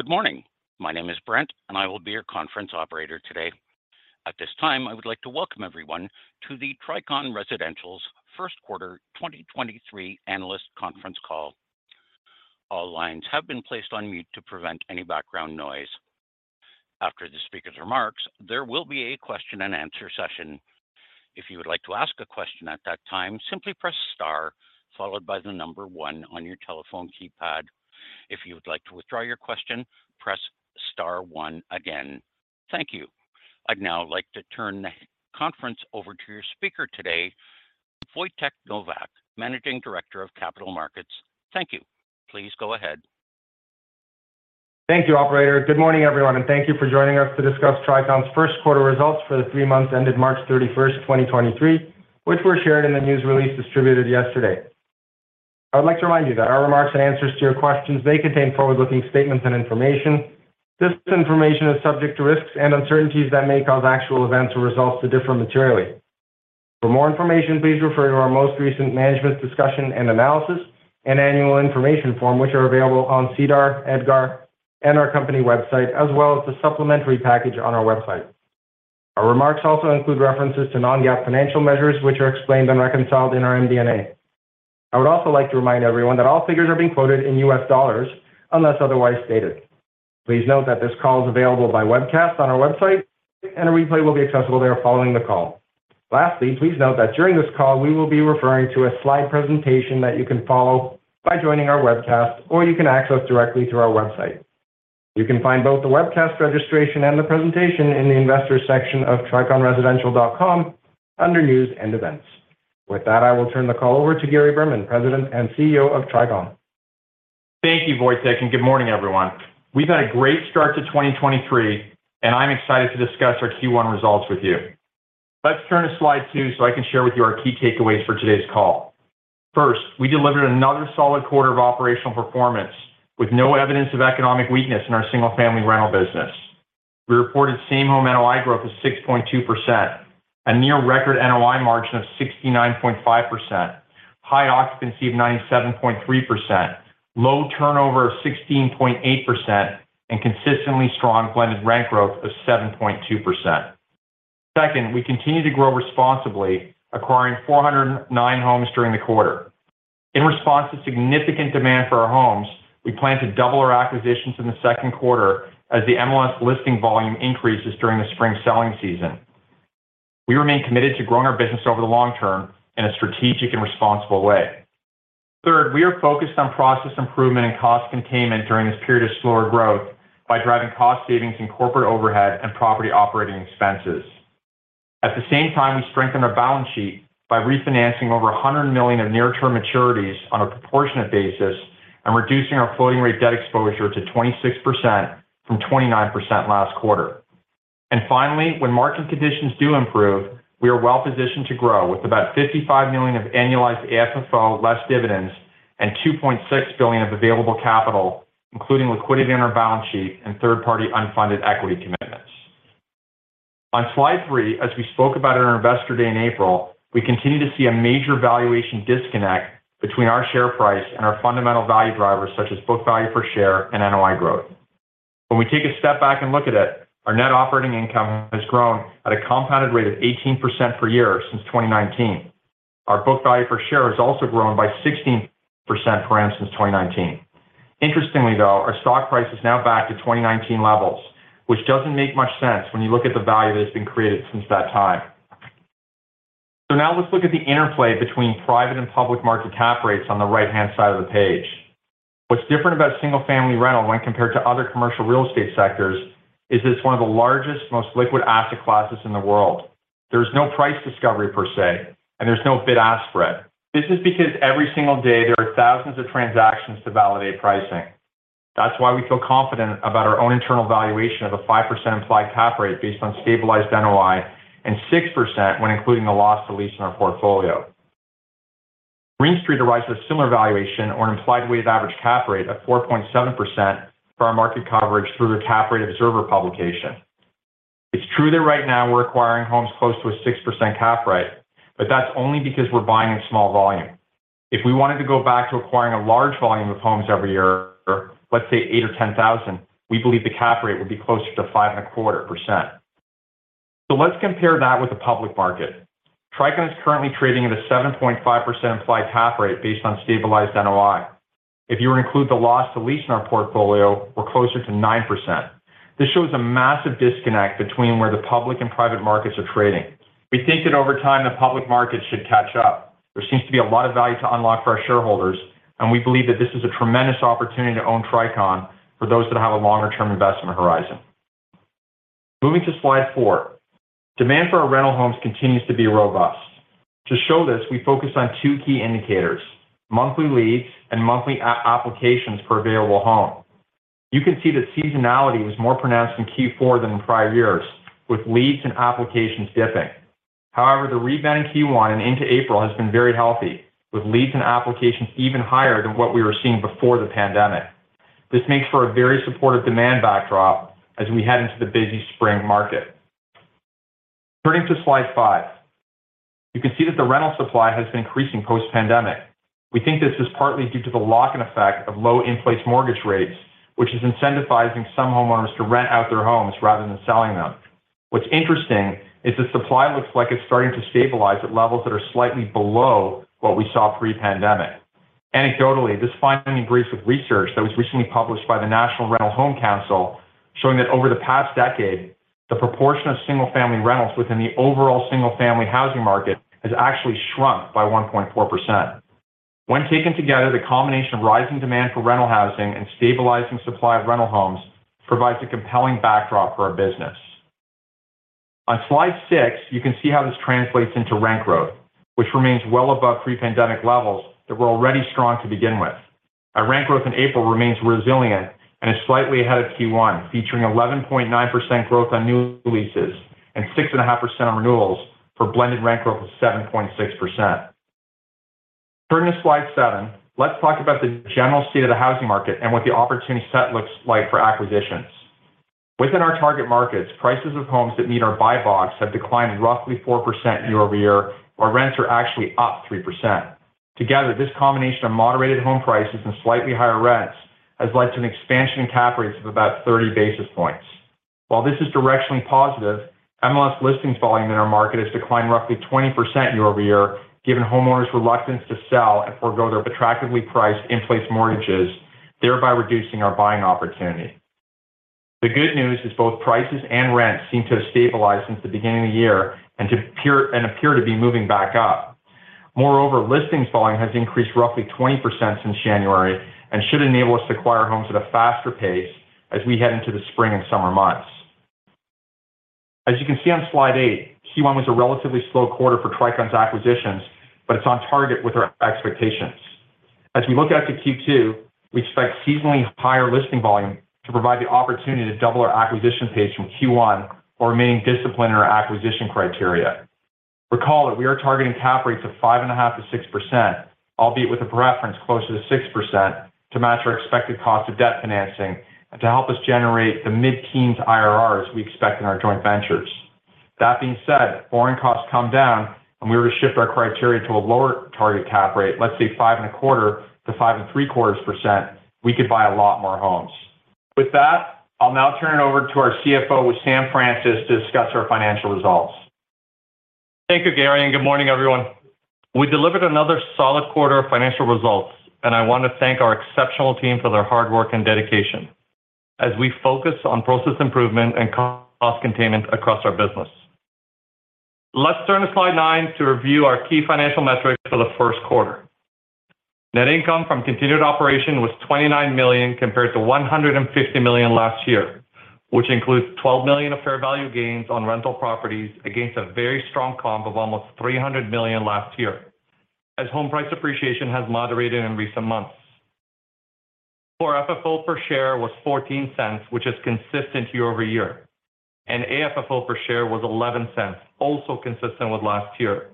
Good morning. My name is Brent, and I will be your conference operator today. At this time, I would like to welcome everyone to the Tricon Residential's Q1 2023 analyst conference call. All lines have been placed on mute to prevent any background noise. After the speaker's remarks, there will be a question-and-answer session. If you would like to ask a question at that time, simply press star followed by the number one on your telephone keypad. If you would like to withdraw your question, press star one again. Thank you. I'd now like to turn the conference over to your speaker today, Wojtek Nowak, Managing Director of Capital Markets. Thank you. Please go ahead. Thank you, operator. Good morning, everyone, and thank you for joining us to discuss Tricon's Q1 results for the three months ended March 31, 2023, which were shared in the news release distributed yesterday. I would like to remind you that our remarks and answers to your questions may contain forward-looking statements and information. This information is subject to risks and uncertainties that may cause actual events or results to differ materially. For more information, please refer to our most recent management discussion and analysis and annual information form, which are available on SEDAR, EDGAR, and our company website, as well as the supplementary package on our website. Our remarks also include references to non-GAAP financial measures, which are explained and reconciled in our MD&A. I would also like to remind everyone that all figures are being quoted in U.S. dollars unless otherwise stated. Please note that this call is available by webcast on our website, and a replay will be accessible there following the call. Lastly, please note that during this call, we will be referring to a slide presentation that you can follow by joining our webcast, or you can access directly through our website. You can find both the webcast registration and the presentation in the investors section of triconresidential.com under News and Events. With that, I will turn the call over to Gary Berman, President and CEO of Tricon. Thank you, Wojtek, and good morning, everyone. We've had a great start to 2023, and I'm excited to discuss our Q1 results with you. Let's turn to slide two so I can share with you our key takeaways for today's call. We delivered another solid quarter of operational performance with no evidence of economic weakness in our single-family rental business. We reported same home NOI growth of 6.2%, a near record NOI margin of 69.5%, high occupancy of 97.3%, low turnover of 16.8%, and consistently strong blended rent growth of 7.2%. We continue to grow responsibly, acquiring 409 homes during the quarter. In response to significant demand for our homes, we plan to double our acquisitions in the Q2 as the MLS listing volume increases during the spring selling season. We remain committed to growing our business over the long term in a strategic and responsible way. Third, we are focused on process improvement and cost containment during this period of slower growth by driving cost savings in corporate overhead and property operating expenses. At the same time, we strengthen our balance sheet by refinancing over $100 million of near term maturities on a proportionate basis and reducing our floating rate debt exposure to 26% from 29% last quarter. Finally, when market conditions do improve, we are well-positioned to grow with about $55 million of annualized AFFO, less dividends and $2.6 billion of available capital, including liquidity in our balance sheet and third-party unfunded equity commitments. On slide three, as we spoke about at our Investor Day in April, we continue to see a major valuation disconnect between our share price and our fundamental value drivers such as book value per share and NOI growth. We take a step back and look at it, our net operating income has grown at a compounded rate of 18% per year since 2019. Our book value per share has also grown by 16% per annum since 2019. Interestingly, though, our stock price is now back to 2019 levels, which doesn't make much sense when you look at the value that's been created since that time. Now let's look at the interplay between private and public market cap rates on the right-hand side of the page. What's different about single-family rental when compared to other commercial real estate sectors is it's one of the largest, most liquid asset classes in the world. There's no price discovery per se, and there's no bid-ask spread. This is because every single day there are thousands of transactions to validate pricing. That's why we feel confident about our own internal valuation of a 5% implied cap rate based on stabilized NOI and 6% when including the loss to lease in our portfolio. Green Street arrives at a similar valuation or an implied weighted average cap rate of 4.7% for our market coverage through their Cap Rate Observer publication. It's true that right now we're acquiring homes close to a 6% cap rate, but that's only because we're buying in small volume. If we wanted to go back to acquiring a large volume of homes every year, let's say 8,000 or 10,000, we believe the cap rate would be closer to 5.25%. Let's compare that with the public market. Tricon is currently trading at a 7.5% implied cap rate based on stabilized NOI. If you include the loss to lease in our portfolio, we're closer to 9%. This shows a massive disconnect between where the public and private markets are trading. We think that over time, the public markets should catch up. There seems to be a lot of value to unlock for our shareholders, and we believe that this is a tremendous opportunity to own Tricon for those that have a longer-term investment horizon. Moving to slide 4. Demand for our rental homes continues to be robust. To show this, we focus on two key indicators: monthly leads and monthly applications per available home. You can see that seasonality was more pronounced in Q4 than in prior years, with leads and applications dipping. The rebound in Q1 and into April has been very healthy, with leads and applications even higher than what we were seeing before the pandemic. This makes for a very supportive demand backdrop as we head into the busy spring market. Turning to slide 5. You can see that the rental supply has been increasing post-pandemic. We think this is partly due to the lock-in effect of low in-place mortgage rates, which is incentivizing some homeowners to rent out their homes rather than selling them. What's interesting is the supply looks like it's starting to stabilize at levels that are slightly below what we saw pre-pandemic. Anecdotally, this finding agrees with research that was recently published by the National Rental Home Council, showing that over the past decade, the proportion of single-family rentals within the overall single-family housing market has actually shrunk by 1.4%. Taken together, the combination of rising demand for rental housing and stabilizing supply of rental homes provides a compelling backdrop for our business. On slide 6, you can see how this translates into rent growth, which remains well above pre-pandemic levels that were already strong to begin with. Our rent growth in April remains resilient and is slightly ahead of Q1, featuring 11.9% growth on new leases and 6.5% on renewals for blended rent growth of 7.6%. Turning to slide 7, let's talk about the general state of the housing market and what the opportunity set looks like for acquisitions. Within our target markets, prices of homes that meet our buy box have declined roughly 4% year-over-year, while rents are actually up 3%. Together, this combination of moderated home prices and slightly higher rents has led to an expansion in cap rates of about 30 basis points. While this is directionally positive, MLS listings volume in our market has declined roughly 20% year-over-year, given homeowners' reluctance to sell and forego their attractively priced in-place mortgages, thereby reducing our buying opportunity. The good news is both prices and rents seem to have stabilized since the beginning of the year and appear to be moving back up. Listings volume has increased roughly 20% since January and should enable us to acquire homes at a faster pace as we head into the spring and summer months. As you can see on Slide 8, Q1 was a relatively slow quarter for Tricon's acquisitions, but it's on target with our expectations. As we look out to Q2, we expect seasonally higher listing volume to provide the opportunity to double our acquisition pace from Q1 while remaining disciplined in our acquisition criteria. Recall that we are targeting Cap rates of 5.5-6%, albeit with a preference closer to 6% to match our expected cost of debt financing and to help us generate the mid-teens IRRs we expect in our joint ventures. That being said, borrowing costs come down, and we were to shift our criteria to a lower target Cap rate, let's say 5.25-5.75%, we could buy a lot more homes. With that, I'll now turn it over to our CFO, Wissam Francis, to discuss our financial results. Thank you, Gary. Good morning, everyone. We delivered another solid quarter of financial results, and I want to thank our exceptional team for their hard work and dedication as we focus on process improvement and cost containment across our business. Let's turn to slide 9 to review our key financial metrics for the Q1. Net income from continued operation was $29 million compared to $150 million last year, which includes $12 million of fair value gains on rental properties against a very strong comp of almost $300 million last year, as home price appreciation has moderated in recent months. Core FFO per share was $0.14, which is consistent year-over-year, and AFFO per share was $0.11, also consistent with last year,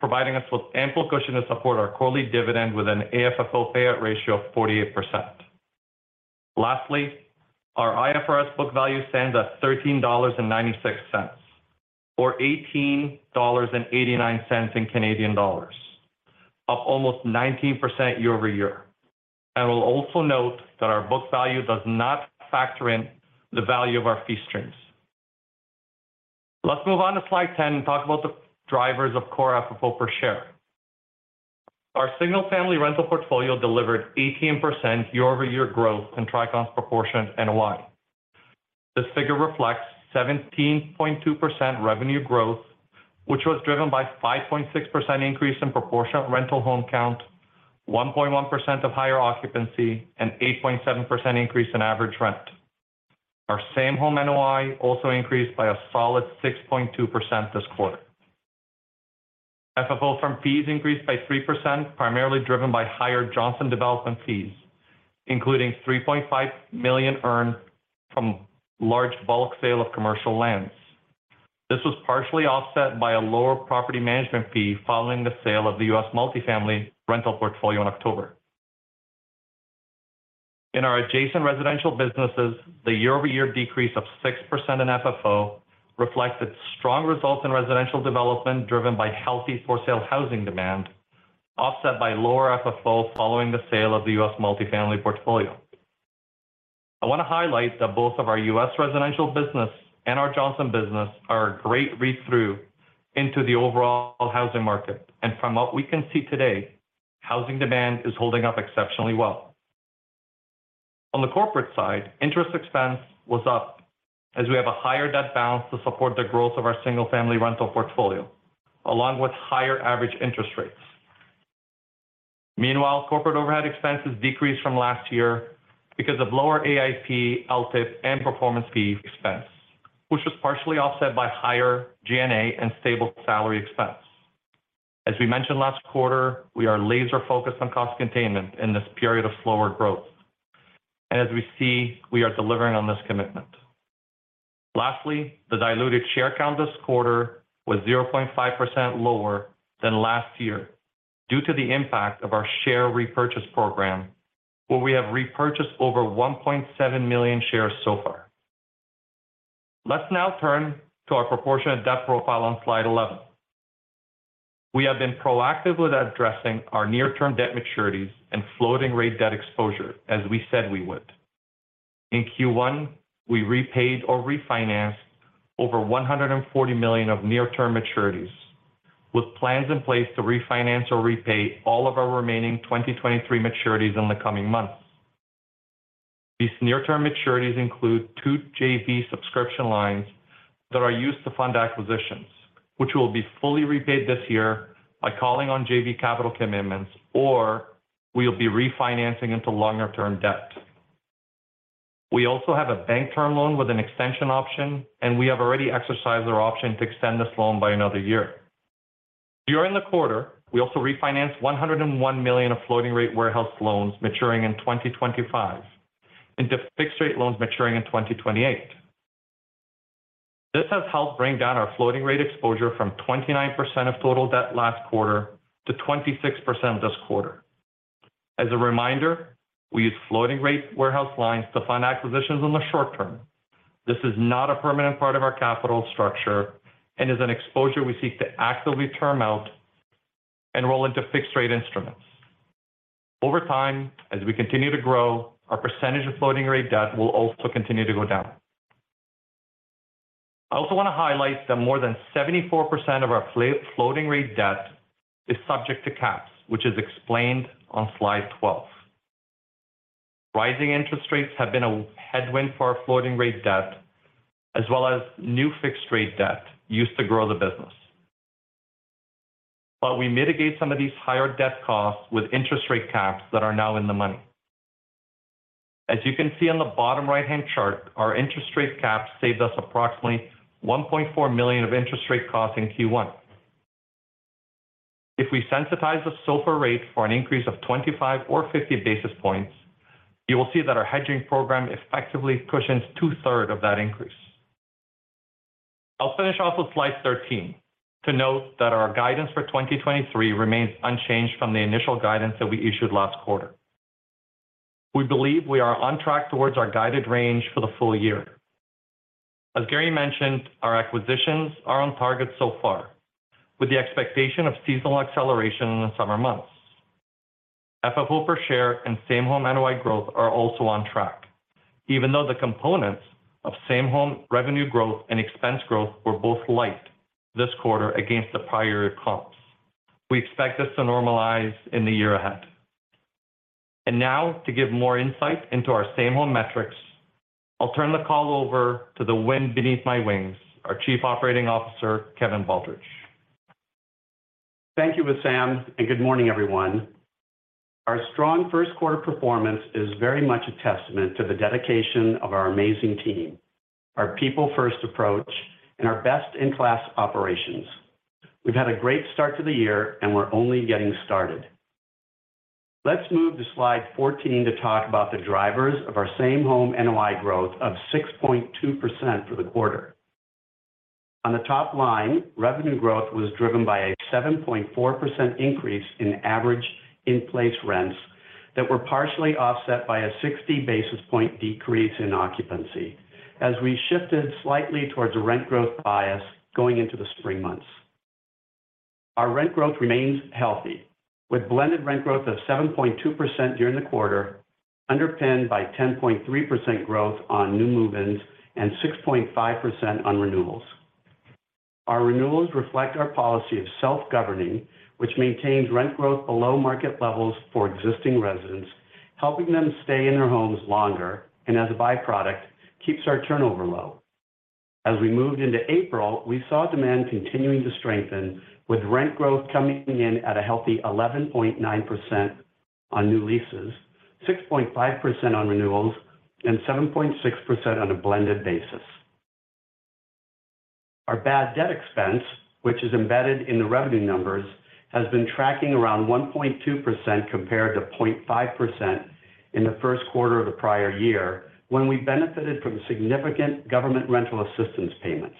providing us with ample cushion to support our quarterly dividend with an AFFO payout ratio of 48%. Lastly, our IFRS book value stands at $13.96, or 18.89 dollars, up almost 19% year-over-year. I will also note that our book value does not factor in the value of our fee streams. Let's move on to slide 10 and talk about the drivers of core FFO per share. Our single-family rental portfolio delivered 18% year-over-year growth in Tricon's proportion NOI. This figure reflects 17.2% revenue growth, which was driven by 5.6% increase in proportionate rental home count, 1.1% of higher occupancy, and 8.7% increase in average rent. Our same-home NOI also increased by a solid 6.2% this quarter. FFO from fees increased by 3%, primarily driven by higher Johnson development fees, including $3.5 million earned from large bulk sale of commercial lands. This was partially offset by a lower property management fee following the sale of the U.S. multifamily rental portfolio in October. In our adjacent residential businesses, the year-over-year decrease of 6% in FFO reflected strong results in residential development driven by healthy for-sale housing demand, offset by lower FFO following the sale of the U.S. multifamily portfolio. I want to highlight that both of our U.S. residential business and our Johnson business are a great read-through into the overall housing market. From what we can see today, housing demand is holding up exceptionally well. On the corporate side, interest expense was up as we have a higher debt balance to support the growth of our single-family rental portfolio, along with higher average interest rates. Meanwhile, corporate overhead expenses decreased from last year because of lower AIP, LTIP, and performance fee expense, which was partially offset by higher G&A and stable salary expense. As we mentioned last quarter, we are laser-focused on cost containment in this period of slower growth. As we see, we are delivering on this commitment. Lastly, the diluted share count this quarter was 0.5% lower than last year due to the impact of our share repurchase program. We have repurchased over 1.7 million shares so far. Let's now turn to our proportionate debt profile on slide 11. We have been proactive with addressing our near-term debt maturities and floating rate debt exposure, as we said we would. In Q1, we repaid or refinanced over $140 million of near-term maturities, with plans in place to refinance or repay all of our remaining 2023 maturities in the coming months. These near-term maturities include 2 JV subscription lines that are used to fund acquisitions, which will be fully repaid this year by calling on JV capital commitments, or we'll be refinancing into longer-term debt. We also have a bank term loan with an extension option. We have already exercised our option to extend this loan by another year. During the quarter, we also refinanced $101 million of floating rate warehouse loans maturing in 2025 into fixed-rate loans maturing in 2028. This has helped bring down our floating rate exposure from 29% of total debt last quarter to 26% this quarter. As a reminder, we use floating rate warehouse lines to fund acquisitions in the short term. This is not a permanent part of our capital structure and is an exposure we seek to actively term out and roll into fixed-rate instruments. Over time, as we continue to grow, our percentage of floating rate debt will also continue to go down. I also want to highlight that more than 74% of our floating rate debt is subject to caps, which is explained on slide 12. Rising interest rates have been a headwind for our floating rate debt as well as new fixed rate debt used to grow the business. We mitigate some of these higher debt costs with interest rate caps that are now in the money. As you can see on the bottom right-hand chart, our interest rate caps saved us approximately $1.4 million of interest rate costs in Q1. If we sensitize the SOFR rate for an increase of 25 or 50 basis points, you will see that our hedging program effectively cushions two-thirds of that increase. I'll finish off with slide 13 to note that our guidance for 2023 remains unchanged from the initial guidance that we issued last quarter. We believe we are on track towards our guided range for the full year. As Gary mentioned, our acquisitions are on target so far, with the expectation of seasonal acceleration in the summer months. FFO per share and same-home NOI growth are also on track, even though the components of same-home revenue growth and expense growth were both light this quarter against the prior year comps. We expect this to normalize in the year ahead. Now to give more insight into our same-home metrics, I'll turn the call over to the wind beneath my wings, our Chief Operating Officer, Kevin Baldridge. Thank you, Wissam. Good morning, everyone. Our strong Q1 performance is very much a testament to the dedication of our amazing team, our people first approach, and our best-in-class operations. We've had a great start to the year, and we're only getting started. Let's move to slide 14 to talk about the drivers of our same home NOI growth of 6.2% for the quarter. On the top line, revenue growth was driven by a 7.4% increase in average in-place rents that were partially offset by a 60 basis point decrease in occupancy as we shifted slightly towards a rent growth bias going into the spring months. Our rent growth remains healthy, with blended rent growth of 7.2% during the quarter, underpinned by 10.3% growth on new move-ins and 6.5% on renewals. Our renewals reflect our policy of self-governing, which maintains rent growth below market levels for existing residents, helping them stay in their homes longer, as a byproduct, keeps our turnover low. As we moved into April, we saw demand continuing to strengthen with rent growth coming in at a healthy 11.9% on new leases, 6.5% on renewals, and 7.6% on a blended basis. Our bad debt expense, which is embedded in the revenue numbers, has been tracking around 1.2% compared to 0.5% in the Q1 of the prior year, when we benefited from significant government rental assistance payments.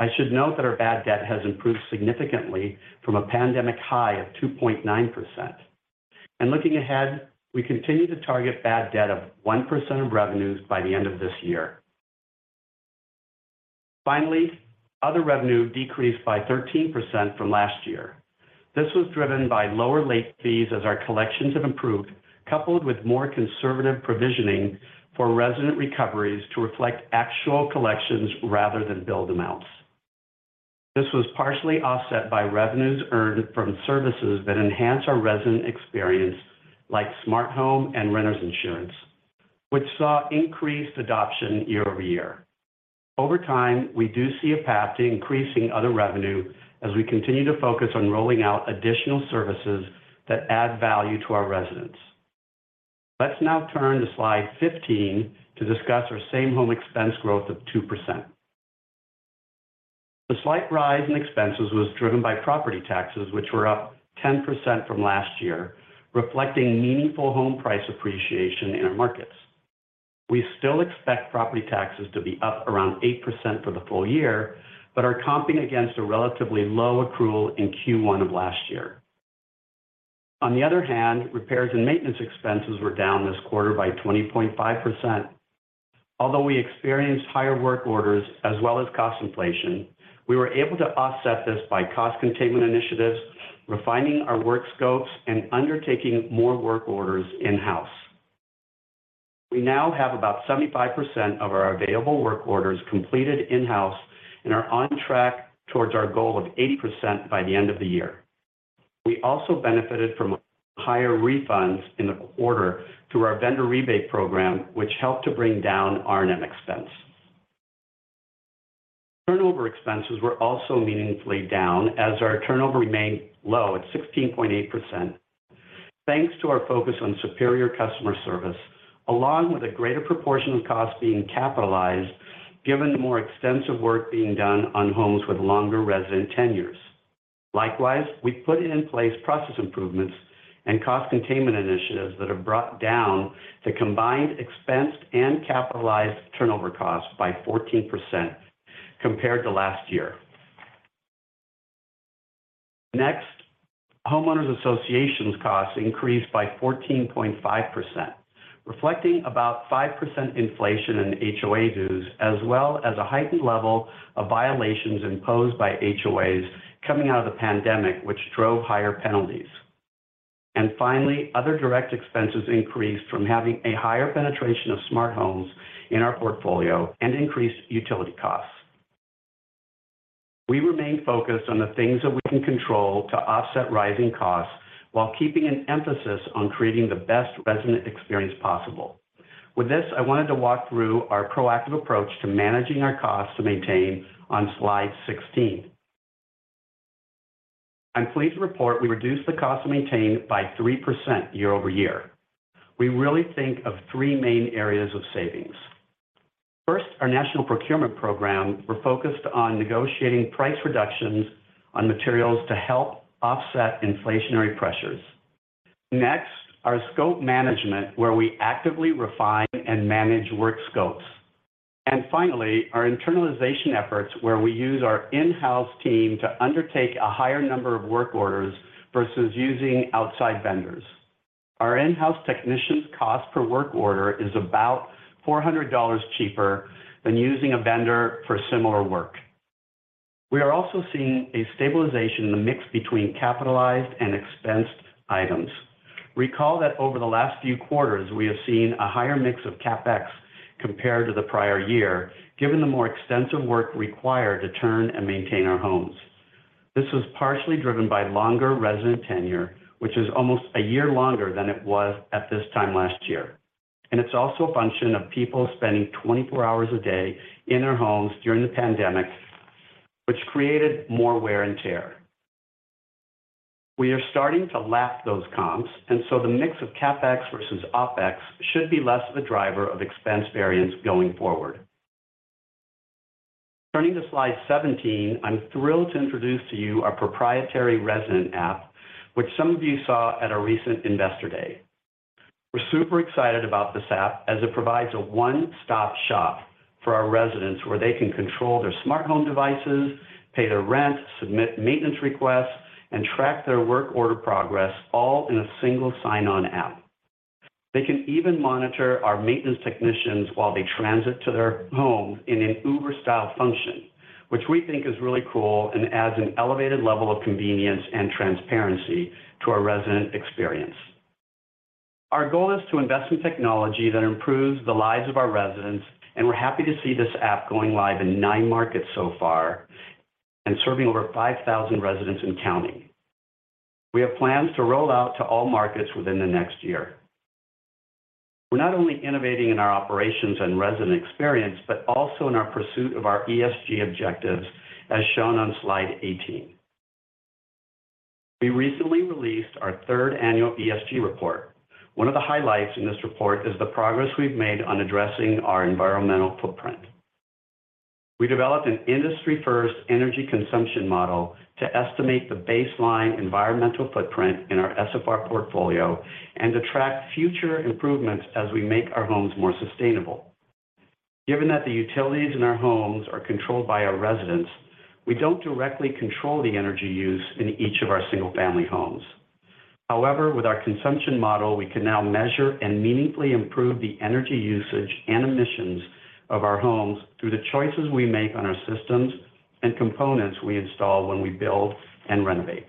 I should note that our bad debt has improved significantly from a pandemic high of 2.9%. Looking ahead, we continue to target bad debt of 1% of revenues by the end of this year. Finally, other revenue decreased by 13% from last year. This was driven by lower late fees as our collections have improved, coupled with more conservative provisioning for resident recoveries to reflect actual collections rather than build amounts. This was partially offset by revenues earned from services that enhance our resident experience, like smart home and renters insurance, which saw increased adoption year-over-year. Over time, we do see a path to increasing other revenue as we continue to focus on rolling out additional services that add value to our residents. Let's now turn to slide 15 to discuss our same home expense growth of 2%. The slight rise in expenses was driven by property taxes, which were up 10% from last year, reflecting meaningful home price appreciation in our markets. We still expect property taxes to be up around 8% for the full year, but are comping against a relatively low accrual in Q1 of last year. On the other hand, repairs and maintenance expenses were down this quarter by 20.5%. Although we experienced higher work orders as well as cost inflation, we were able to offset this by cost containment initiatives, refining our work scopes, and undertaking more work orders in-house. We now have about 75% of our available work orders completed in-house and are on track towards our goal of 80% by the end of the year. We also benefited from higher refunds in the quarter through our vendor rebate program, which helped to bring down R&M expense. Turnover expenses were also meaningfully down as our turnover remained low at 16.8%. Thanks to our focus on superior customer service, along with a greater proportion of costs being capitalized, given the more extensive work being done on homes with longer resident tenures. We've put in place process improvements and cost containment initiatives that have brought down the combined expensed and capitalized turnover costs by 14% compared to last year. Homeowners associations costs increased by 14.5%, reflecting about 5% inflation in HOA dues, as well as a heightened level of violations imposed by HOAs coming out of the pandemic, which drove higher penalties. Finally, other direct expenses increased from having a higher penetration of smart homes in our portfolio and increased utility costs. We remain focused on the things that we can control to offset rising costs while keeping an emphasis on creating the best resident experience possible. With this, I wanted to walk through our proactive approach to managing our costs to maintain on slide 16. I'm pleased to report we reduced the cost to maintain by 3% year-over-year. We really think of three main areas of savings. First, our national procurement program, we're focused on negotiating price reductions on materials to help offset inflationary pressures. Next, our scope management, where we actively refine and manage work scopes. Finally, our internalization efforts, where we use our in-house team to undertake a higher number of work orders versus using outside vendors. Our in-house technicians cost per work order is about $400 cheaper than using a vendor for similar work. We are also seeing a stabilization in the mix between capitalized and expensed items. Recall that over the last few quarters, we have seen a higher mix of CapEx compared to the prior year, given the more extensive work required to turn and maintain our homes. This was partially driven by longer resident tenure, which is almost a year longer than it was at this time last year. It's also a function of people spending 24 hours a day in their homes during the pandemic, which created more wear and tear. We are starting to lap those comps, the mix of CapEx versus OpEx should be less of a driver of expense variance going forward. Turning to slide 17, I'm thrilled to introduce to you our proprietary resident app, which some of you saw at our recent Investor Day. We're super excited about this app as it provides a one-stop shop for our residents where they can control their smart home devices, pay their rent, submit maintenance requests, and track their work order progress all in a single sign-on app. They can even monitor our maintenance technicians while they transit to their home in an Uber-style function, which we think is really cool and adds an elevated level of convenience and transparency to our resident experience. Our goal is to invest in technology that improves the lives of our residents, and we're happy to see this app going live in nine markets so far and serving over 5,000 residents and counting. We have plans to roll out to all markets within the next year. We're not only innovating in our operations and resident experience, but also in our pursuit of our ESG objectives, as shown on slide 18. We recently released our third annual ESG report. One of the highlights in this report is the progress we've made on addressing our environmental footprint. We developed an industry-first energy consumption model to estimate the baseline environmental footprint in our SFR portfolio and to track future improvements as we make our homes more sustainable. Given that the utilities in our homes are controlled by our residents, we don't directly control the energy use in each of our single-family homes. However, with our consumption model, we can now measure and meaningfully improve the energy usage and emissions of our homes through the choices we make on our systems and components we install when we build and renovate.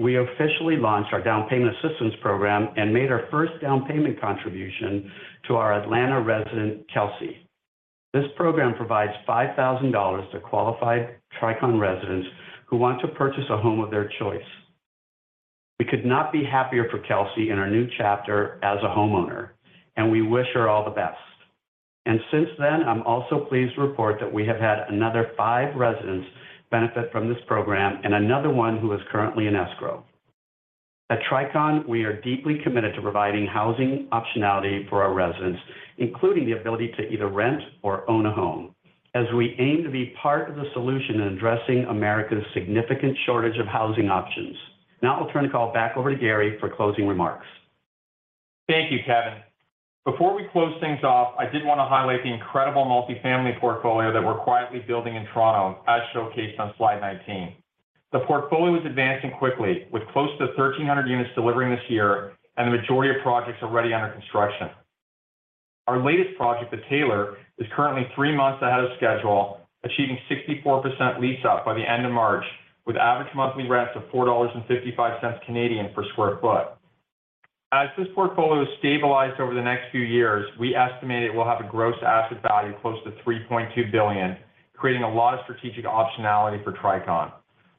We officially launched our down payment assistance program and made our first down payment contribution to our Atlanta resident, Kelsey. This program provides $5,000 to qualified Tricon residents who want to purchase a home of their choice. We could not be happier for Kelsey in her new chapter as a homeowner, we wish her all the best. Since then, I'm also pleased to report that we have had another 5 residents benefit from this program and another one who is currently in escrow. At Tricon, we are deeply committed to providing housing optionality for our residents, including the ability to either rent or own a home. As we aim to be part of the solution in addressing America's significant shortage of housing options. I'll turn the call back over to Gary for closing remarks. Thank you, Kevin. Before we close things off, I did want to highlight the incredible multifamily portfolio that we're quietly building in Toronto, as showcased on slide 19. The portfolio is advancing quickly, with close to 1,300 units delivering this year, and the majority of projects already under construction. Our latest project, The Taylor, is currently 3 months ahead of schedule, achieving 64% lease up by the end of March, with average monthly rents of 4.55 Canadian dollars per square foot. As this portfolio is stabilized over the next few years, we estimate it will have a gross asset value close to $3.2 billion, creating a lot of strategic optionality for Tricon.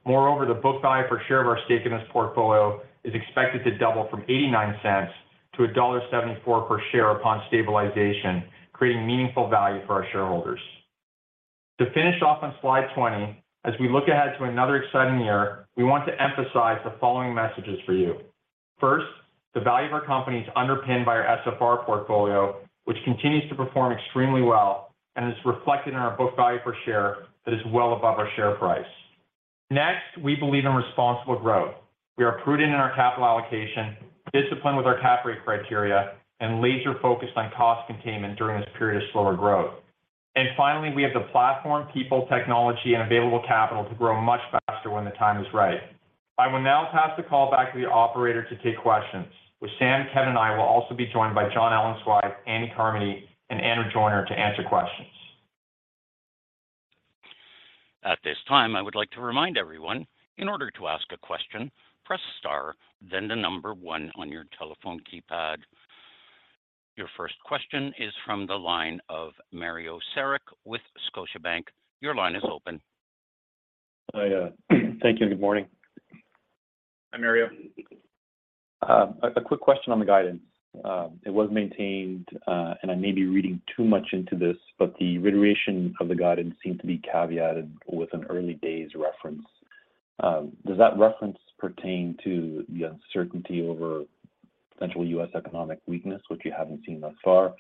Moreover, the book value per share of our stake in this portfolio is expected to double from $0.89-1.74 per share upon stabilization, creating meaningful value for our shareholders. To finish off on slide 20, as we look ahead to another exciting year, we want to emphasize the following messages for you. First, the value of our company is underpinned by our SFR portfolio, which continues to perform extremely well and is reflected in our book value per share that is well above our share price. Next, we believe in responsible growth. We are prudent in our capital allocation, disciplined with our cap rate criteria, and laser-focused on cost containment during this period of slower growth. Finally, we have the platform, people, technology, and available capital to grow much faster when the time is right. I will now pass the call back to the operator to take questions. With Sam, Kevin, and I will also be joined by Jon Ellenzweig, Andy Carmody, and Andrew Joyner to answer questions. At this time, I would like to remind everyone, in order to ask a question, press star, then the number one on your telephone keypad. Your first question is from the line of Mario Saric with Scotiabank. Your line is open. I, thank you and good morning. Hi, Mario. A quick question on the guidance. It was maintained, and I may be reading too much into this, but the reiteration of the guidance seemed to be caveated with an early days reference. Does that reference pertain to the uncertainty over potential U.S. economic weakness, which you haven't seen thus far,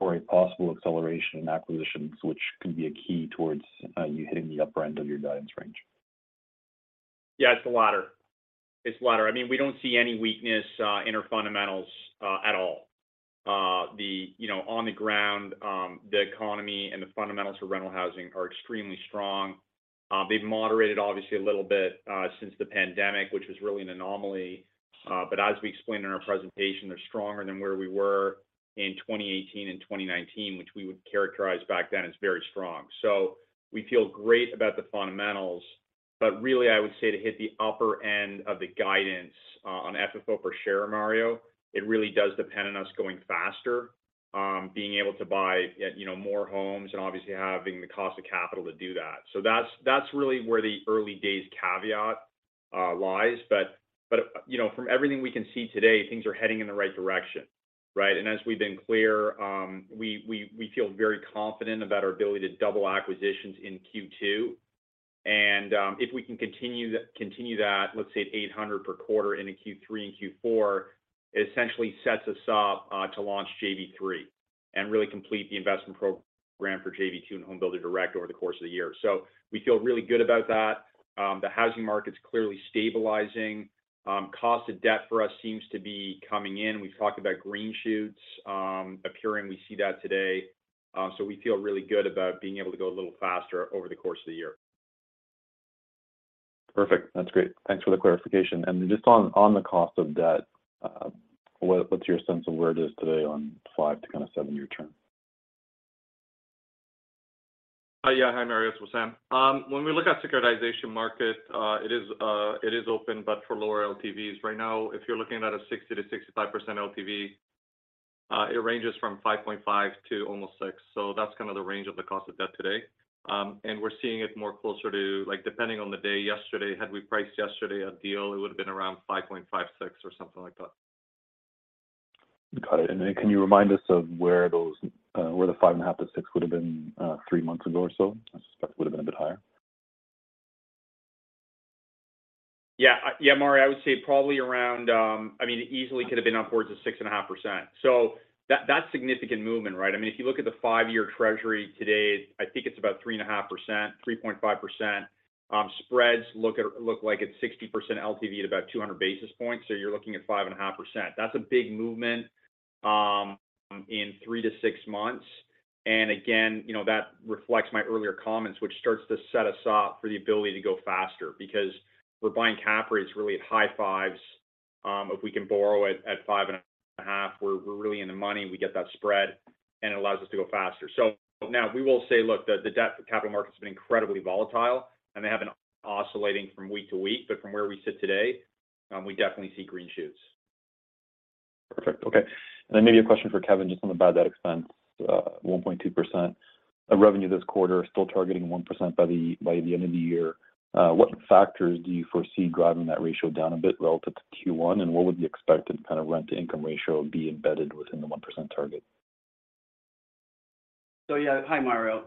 or a possible acceleration in acquisitions, which can be a key towards, you hitting the upper end of your guidance range? It's the latter. It's the latter. I mean, we don't see any weakness in our fundamentals at all. The, you know, on the ground, the economy and the fundamentals for rental housing are extremely strong. They've moderated obviously a little bit since the pandemic, which was really an anomaly. As we explained in our presentation, they're stronger than where we were in 2018 and 2019, which we would characterize back then as very strong. We feel great about the fundamentals, but really I would say to hit the upper end of the guidance on FFO per share, Mario, it really does depend on us going faster, being able to buy, you know, more homes and obviously having the cost of capital to do that. That's, that's really where the early days caveat lies. You know, from everything we can see today, things are heading in the right direction, right? As we've been clear, we feel very confident about our ability to double acquisitions in Q2. If we can continue that, let's say at 800 per quarter into Q3 and Q4, it essentially sets us up to launch JV3, and really complete the investment program for JV2 and Homebuilder Direct over the course of the year. We feel really good about that. The housing market's clearly stabilizing. Cost of debt for us seems to be coming in. We've talked about green shoots appearing. We see that today. We feel really good about being able to go a little faster over the course of the year. Perfect. That's great. Thanks for the clarification. Just on the cost of debt, what's your sense of where it is today on 5 to kind of 7-year term? Yeah. Hi, Mario. It's Wissam. When we look at securitization market, it is open but for lower LTVs. Right now, if you're looking at a 60-65% LTV, it ranges from 5.5% to almost 6%. That's kind of the range of the cost of debt today. We're seeing it more closer to, like, depending on the day yesterday, had we priced yesterday a deal, it would've been around 5.5%, 6%, or something like that. Got it. Can you remind us of where those, where the 5.5-6% would have been, three months ago or so? I suspect it would've been a bit higher. Yeah. Yeah, Mario, I would say probably around, I mean, easily could have been upwards of 6.5%. That's significant movement, right? I mean, if you look at the five-year treasury today, I think it's about 3.5%, 3.5%. Spreads look like it's 60% LTV at about 200 basis points. You're looking at 5.5%. That's a big movement in 3 to 6 months. Again, you know, that reflects my earlier comments, which starts to set us up for the ability to go faster because we're buying cap rates really at high fives. If we can borrow at five and a half, we're really in the money, we get that spread, and it allows us to go faster. Now we will say, look, the debt for capital market has been incredibly volatile, and they have been oscillating from week to week. From where we sit today, we definitely see green shoots. Perfect. Okay. Then maybe a question for Kevin, just on the bad debt expense. 1.2% of revenue this quarter, still targeting 1% by the end of the year. What factors do you foresee driving that ratio down a bit relative to Q1, and what would the expected kind of rent-to-income ratio be embedded within the 1% target? Yeah. Hi, Mario.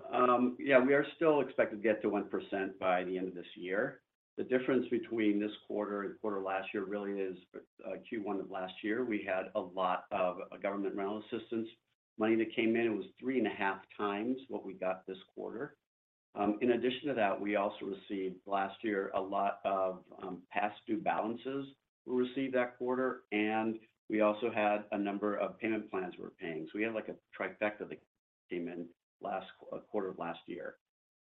Yeah, we are still expected to get to 1% by the end of this year. The difference between this quarter and quarter last year really is Q1 of last year, we had a lot of government rental assistance money that came in. It was 3.5x what we got this quarter. In addition to that, we also received last year a lot of past due balances we received that quarter, and we also had a number of payment plans we were paying. We had like a trifecta that came in last quarter of last year.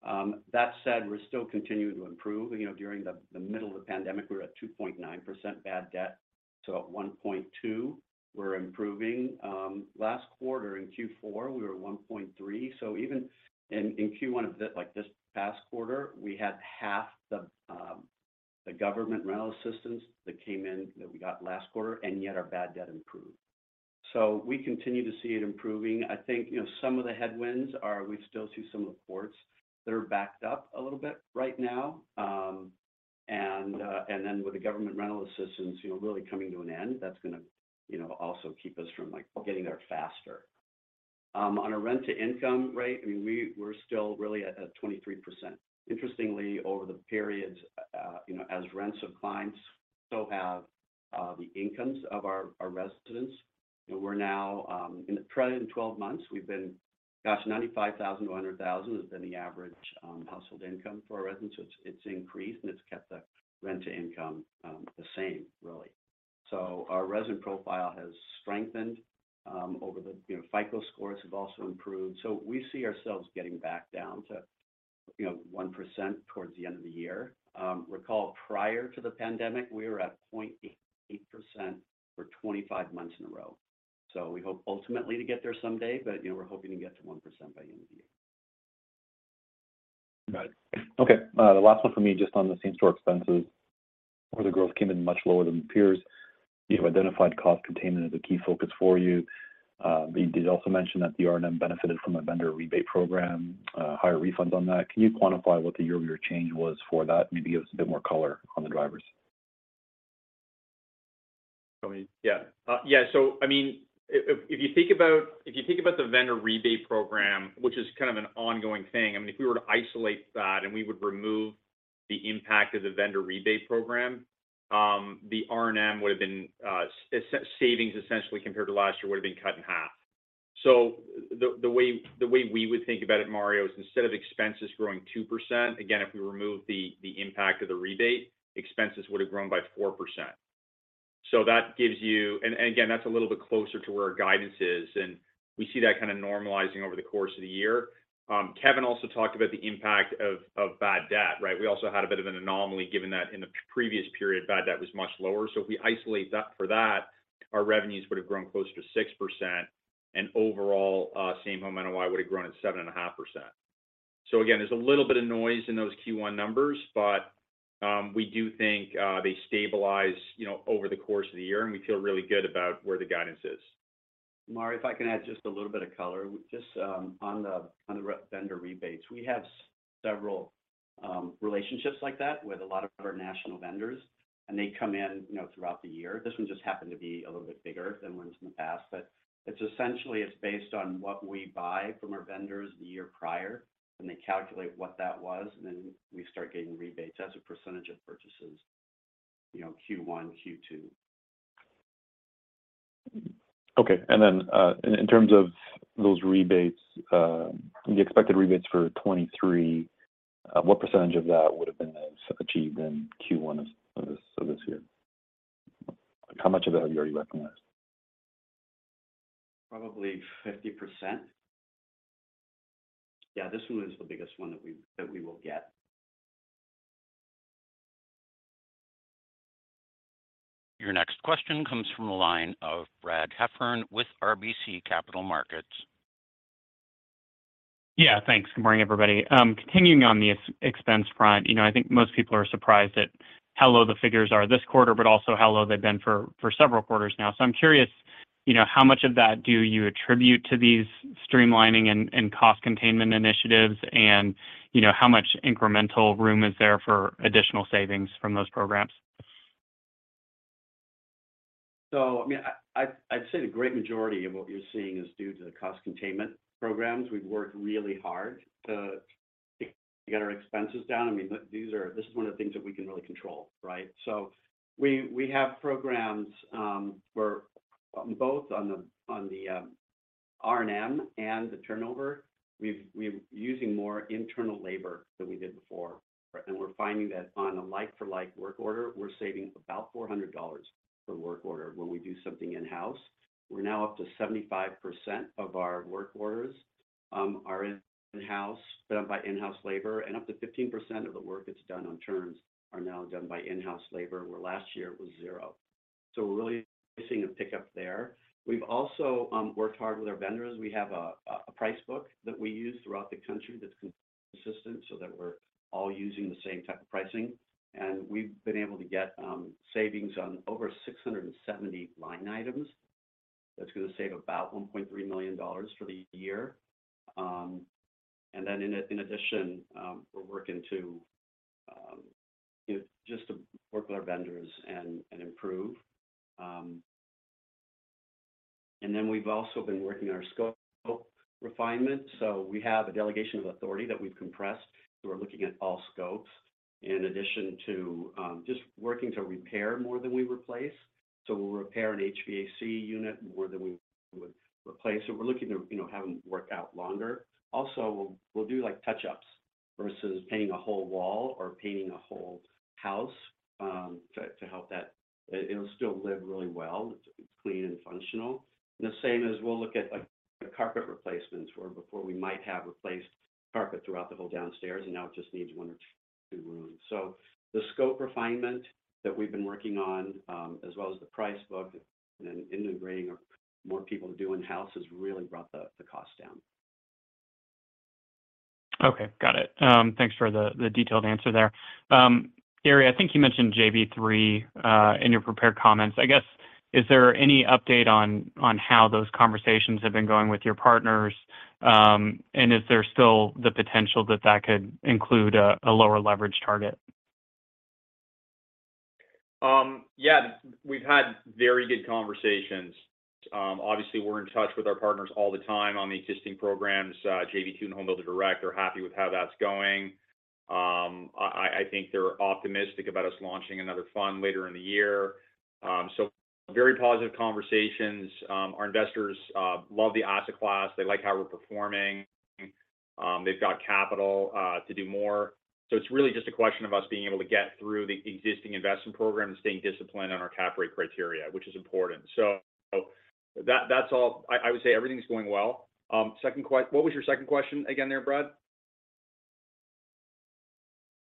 That said, we're still continuing to improve. You know, during the middle of the pandemic, we were at 2.9% bad debt to 1.2%. We're improving. Last quarter, in Q4, we were at 1.3%. Even in Q1 of like, this past quarter, we had half the government rental assistance that came in that we got last quarter, and yet our bad debt improved. We continue to see it improving. I think, you know, some of the headwinds are we still see some of the courts that are backed up a little bit right now. Then with the government rental assistance, you know, really coming to an end, that's gonna, you know, also keep us from, like, getting there faster. On a rent-to-income rate, I mean, we're still really at 23%. Interestingly, over the periods, you know, as rents have climbed, so have the incomes of our residents. We're now in the pre-12 months, we've been. Gosh, $95,000-100,000 has been the average household income for our residents. It's, it's increased, and it's kept the rent-to-income the same really. Our resident profile has strengthened, over the. You know, FICO scores have also improved. We see ourselves getting back down to, you know, 1% towards the end of the year. Recall prior to the pandemic, we were at 0.88% for 25 months in a row. We hope ultimately to get there someday, but, you know, we're hoping to get to 1% by end of the year. Got it. Okay. The last one for me, just on the same-store expenses where the growth came in much lower than peers. You've identified cost containment as a key focus for you. You did also mention that the R&M benefited from a vendor rebate program, higher refunds on that. Can you quantify what the year-over-year change was for that? Maybe give us a bit more color on the drivers. You want me? Yeah. I mean, if you think about the vendor rebate program, which is kind of an ongoing thing, I mean, if we were to isolate that, and we would remove the impact of the vendor rebate program, the R&M would've been savings essentially, compared to last year, would've been cut in half. The way we would think about it, Mario, is instead of expenses growing 2%, again, if we remove the impact of the rebate, expenses would've grown by 4%. That gives you... And again, that's a little bit closer to where our guidance is, and we see that kind of normalizing over the course of the year. Kevin also talked about the impact of bad debt, right? We also had a bit of an anomaly given that in the previous period, bad debt was much lower. If we isolate that for that, our revenues would've grown closer to 6% and overall, same home NOI would've grown at 7.5%. Again, there's a little bit of noise in those Q1 numbers, but we do think they stabilize, you know, over the course of the year, and we feel really good about where the guidance is. Mario, if I can add just a little bit of color. Just on the vendor rebates. We have several relationships like that with a lot of our national vendors, and they come in, you know, throughout the year. This one just happened to be a little bit bigger than ones in the past. It's essentially, it's based on what we buy from our vendors the year prior, and they calculate what that was, and then we start getting rebates as a % of purchases, you know, Q1, Q2. Okay. In terms of those rebates, the expected rebates for 2023, what % of that would've been achieved in Q1 of this year? How much of that have you already recognized? Probably 50%. Yeah. This one was the biggest one that we will get. Your next question comes from the line of Brad Heffern with RBC Capital Markets. Thanks. Good morning, everybody. Continuing on the expense front, you know, I think most people are surprised at how low the figures are this quarter, but also how low they've been for several quarters now. So I'm curious, you know, how much of that do you attribute to these streamlining and cost containment initiatives and, you know, how much incremental room is there for additional savings from those programs? I mean, I'd say the great majority of what you're seeing is due to the cost containment programs. We've worked really hard to get our expenses down. I mean, this is one of the things that we can really control, right? We have programs where both on the R&M and the turnover, we're using more internal labor than we did before, and we're finding that on a like for like work order, we're saving about $400 per work order when we do something in-house. We're now up to 75% of our work orders are in-house, done by in-house labor, and up to 15% of the work that's done on turns are now done by in-house labor, where last year it was zero. We're really seeing a pickup there. We've also worked hard with our vendors. We have a price book that we use throughout the country that's consistent so that we're all using the same type of pricing. We've been able to get savings on over 670 line items. That's gonna save about $1.3 million for the year. In addition, we're working to, you know, just to work with our vendors and improve. We've also been working on our scope refinement. We have a delegation of authority that we've compressed, so we're looking at all scopes In addition to just working to repair more than we replace. We'll repair an HVAC unit more than we would replace. We're looking to have them work out longer. Also, we'll do touch-ups versus painting a whole wall or painting a whole house, to help that. It'll still live really well. It's clean and functional. The same as we'll look at carpet replacements, where before we might have replaced carpet throughout the whole downstairs, and now it just needs one or two rooms. The scope refinement that we've been working on, as well as the price book and then integrating more people to do in-house has really brought the cost down. Okay. Got it. Thanks for the detailed answer there. Gary, I think you mentioned JV3 in your prepared comments. I guess, is there any update on how those conversations have been going with your partners? Is there still the potential that could include a lower leverage target? Yeah. We've had very good conversations. Obviously, we're in touch with our partners all the time on the existing programs. JV2 and Homebuilder Direct, they're happy with how that's going. I think they're optimistic about us launching another fund later in the year. Very positive conversations. Our investors love the asset class. They like how we're performing. They've got capital to do more. It's really just a question of us being able to get through the existing investment program and staying disciplined on our cap rate criteria, which is important. That's all. I would say everything's going well. What was your second question again there, Brad?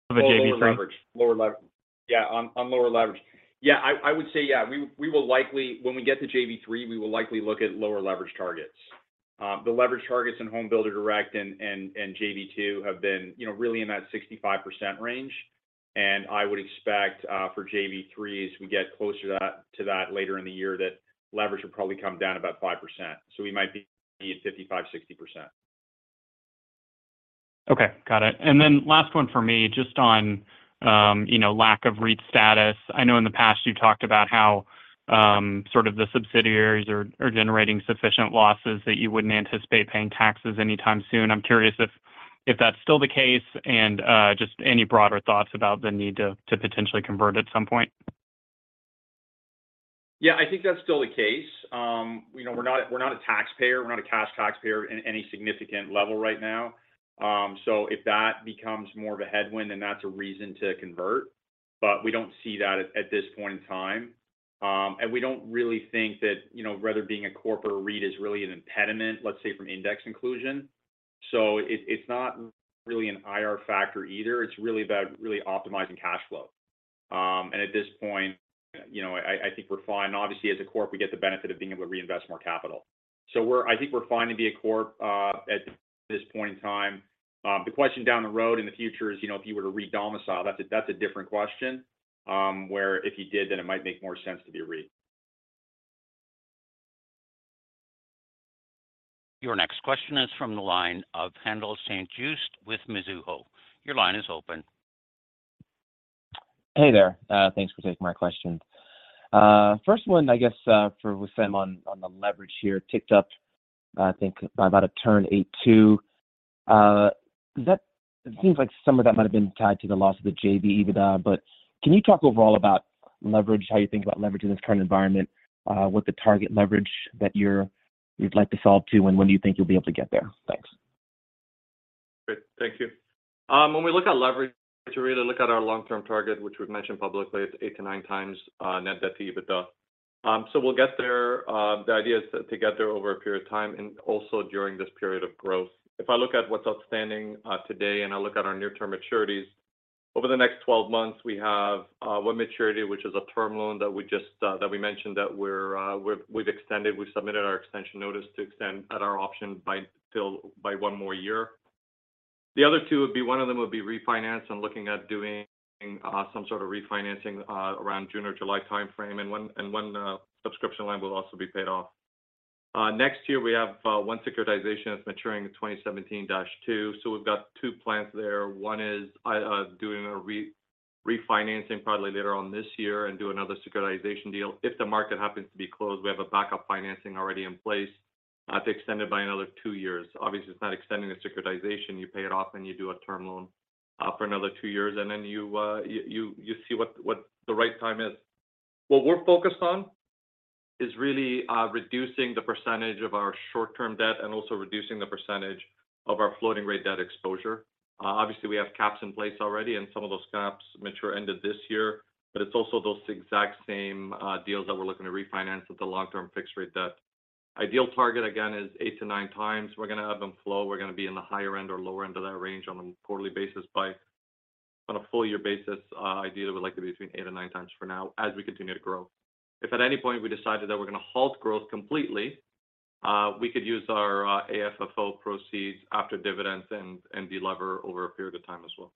On the JV3. Lower leverage. Yeah, on lower leverage. Yeah, I would say, we will likely, when we get to JV3, we will likely look at lower leverage targets. The leverage targets in HomeBuilder Direct and JV2 have been, you know, really in that 65% range. I would expect for JV3, as we get closer to that later in the year, that leverage will probably come down about 5%. We might be at 55-60%. Okay. Got it. Last one for me, just on, you know, lack of REIT status. I know in the past you talked about how, sort of the subsidiaries are generating sufficient losses that you wouldn't anticipate paying taxes anytime soon. I'm curious if that's still the case and, just any broader thoughts about the need to potentially convert at some point. Yeah, I think that's still the case. you know, we're not, we're not a taxpayer. We're not a cash taxpayer in any significant level right now. If that becomes more of a headwind, then that's a reason to convert. We don't see that at this point in time. We don't really think that, you know, rather being a corp or a REIT is really an impediment, let's say, from index inclusion. It, it's not really an IR factor either. It's really about really optimizing cash flow. At this point, you know, I think we're fine. Obviously, as a corp, we get the benefit of being able to reinvest more capital. I think we're fine to be a corp at this point in time. The question down the road in the future is, you know, if you were to re-domicile, that's a, that's a different question, where if you did, then it might make more sense to be a REIT. Your next question is from the line of Haendel St. Juste with Mizuho. Your line is open. Hey there. Thanks for taking my questions. First one, I guess, for Wissam on the leverage here ticked up, I think by about a turn 8.2. It seems like some of that might have been tied to the loss of the JV, EBITDA. Can you talk overall about leverage, how you think about leverage in this current environment, what the target leverage that you'd like to solve to, and when do you think you'll be able to get there? Thanks. Great. Thank you. When we look at leverage, we really look at our long-term target, which we've mentioned publicly, it's 8 to 9x net debt to EBITDA. We'll get there. The idea is to get there over a period of time and also during this period of growth. If I look at what's outstanding today and I look at our near-term maturities, over the next 12 months, we have one maturity, which is a term loan that we mentioned that we've extended. We've submitted our extension notice to extend at our option by one more year. The other two would be, one of them would be refinance. I'm looking at doing some sort of refinancing around June or July timeframe. One subscription line will also be paid off. Next year we have one securitization that's maturing in 2017-2. We've got two plans there. One is doing a refinancing probably later on this year and do another securitization deal. If the market happens to be closed, we have a backup financing already in place to extend it by another two years. Obviously, it's not extending the securitization. You pay it off. You do a term loan for another two years, and then you see what the right time is. What we're focused on is really reducing the percentage of our short-term debt and also reducing the percentage of our floating rate debt exposure. Obviously, we have caps in place already, and some of those caps mature end of this year. It's also those exact same deals that we're looking to refinance with the long-term fixed rate debt. Ideal target, again, is 8-9x. We're gonna have them flow. We're gonna be in the higher end or lower end of that range on a quarterly basis. On a full year basis, ideally, we'd like to be between 8 and 9x for now as we continue to grow. If at any point we decided that we're gonna halt growth completely, we could use our AFFO proceeds after dividends and de-lever over a period of time as well.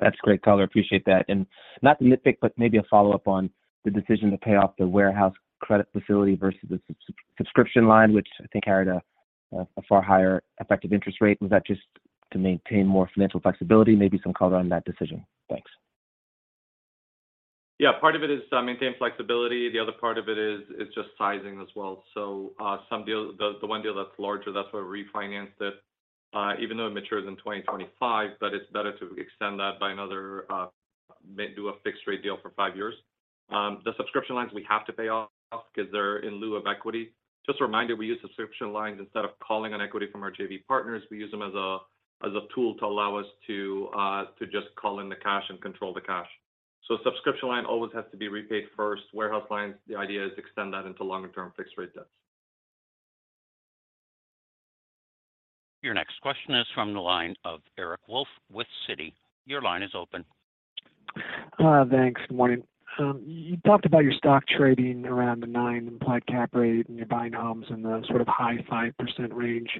That's great, Tyler. Appreciate that. Not nitpick, but maybe a follow-up on the decision to pay off the warehouse credit facility versus the subscription line, which I think carried a far higher effective interest rate. Was that just to maintain more financial flexibility? Maybe some color on that decision. Thanks. Yeah. Part of it is to maintain flexibility. The other part of it is just sizing as well. The one deal that's larger, that's why we refinanced it even though it matures in 2025, but it's better to extend that by another, may do a fixed rate deal for five years. The subscription lines we have to pay off 'cause they're in lieu of equity. Just a reminder, we use subscription lines instead of calling on equity from our JV partners. We use them as a tool to allow us to just call in the cash and control the cash. Subscription line always has to be repaid first. Warehouse lines, the idea is extend that into longer term fixed rate debts. Your next question is from the line of Eric Wolfe with Citi. Your line is open. Thanks. Good morning. You talked about your stock trading around the nine implied cap rate, and you're buying homes in the sort of high 5% range.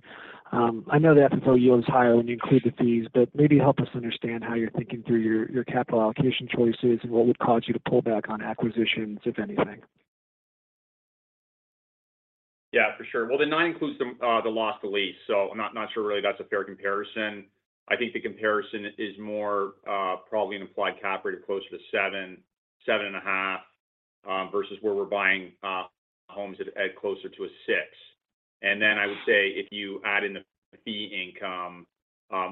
I know the FFO yield is higher when you include the fees, but maybe help us understand how you're thinking through your capital allocation choices and what would cause you to pull back on acquisitions, if anything. For sure. The 9 includes the loss to lease, so I'm not sure really that's a fair comparison. I think the comparison is more probably an implied cap rate of closer to 7.5 versus where we're buying homes at closer to a six. Then I would say if you add in the fee income,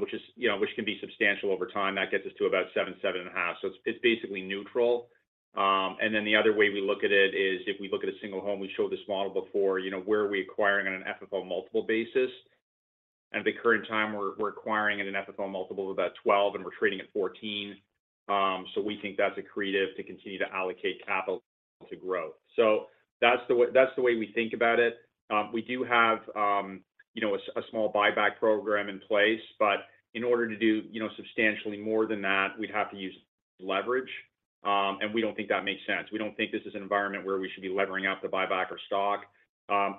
which is, you know, which can be substantial over time, that gets us to about 7.5. It's basically neutral. Then the other way we look at it is if we look at a single home, we showed this model before, you know, where are we acquiring on an FFO multiple basis. At the current time, we're acquiring at an FFO multiple of about 12, and we're trading at 14. We think that's accretive to continue to allocate capital to growth. That's the way we think about it. We do have, you know, a small buyback program in place, but in order to do, you know, substantially more than that, we'd have to use leverage. We don't think that makes sense. We don't think this is an environment where we should be levering up to buy back our stock.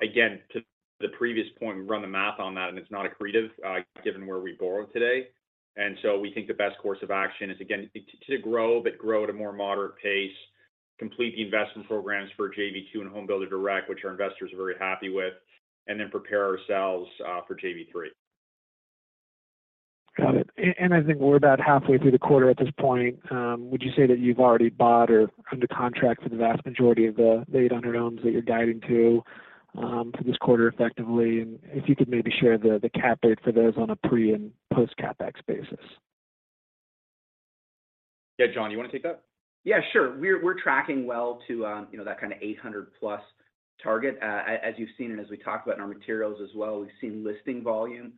Again, to the previous point, we run the math on that, and it's not accretive, given where we borrow today. We think the best course of action is, again, to grow but grow at a more moderate pace, complete the investment programs for JV2 and Homebuilder Direct, which our investors are very happy with, and then prepare ourselves for JV3. Got it. And I think we're about halfway through the quarter at this point. Would you say that you've already bought or under contract for the vast majority of the 800 homes that you're guiding to for this quarter effectively? If you could maybe share the cap rate for those on a pre- and post-CapEx basis. Yeah. Jon, you wanna take that? Yeah, sure. We're tracking well to, you know, that kind of 800+ target. As you've seen and as we talked about in our materials as well, we've seen listing volume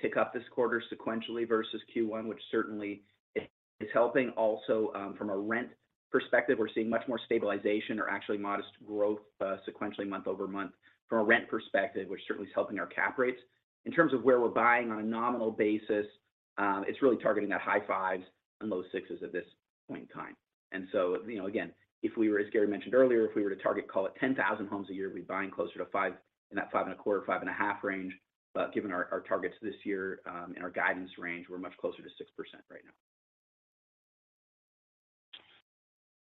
tick up this quarter sequentially versus Q1, which certainly is helping also from a rent perspective. We're seeing much more stabilization or actually modest growth sequentially month-over-month from a rent perspective, which certainly is helping our cap rates. In terms of where we're buying on a nominal basis, it's really targeting that high 5s and low 6s at this point in time. You know, again, if we were, as Gary mentioned earlier, if we were to target call it 10,000 homes a year, we'd be buying closer to 5, in that 5.25, 5.5 range. Given our targets this year, and our guidance range, we're much closer to 6% right now.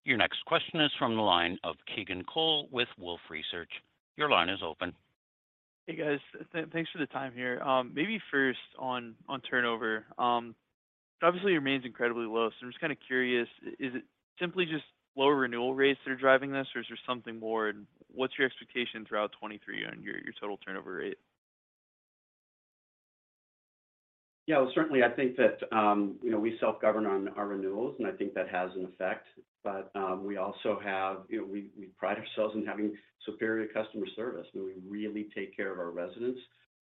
Your next question is from the line of Keigan Cole with Wolfe Research. Your line is open. Hey, guys. thanks for the time here. maybe first on turnover. obviously remains incredibly low, so I'm just kinda curious, is it simply just lower renewal rates that are driving this, or is there something more? What's your expectation throughout 2023 on your total turnover rate? Yeah. Well, certainly I think that, you know, we self-govern on our renewals, and I think that has an effect. We also have, you know, we pride ourselves in having superior customer service, and we really take care of our residents,